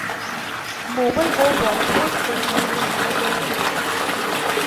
مومل کو Bollywood film میں کردار کیسے ملا